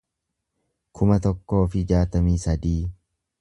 kuma tokkoo fi jaatamii sadii